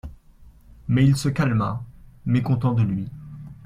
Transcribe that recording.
Mais il se calma, mécontent de lui.